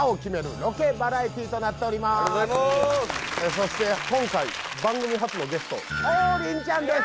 そして今回番組初のゲスト王林ちゃんです。